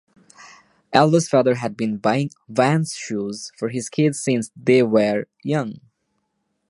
Alva's father had been buying Vans shoes for his kids since they were young.